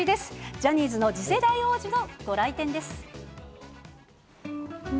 ジャニーズの次世代王子のご来店です。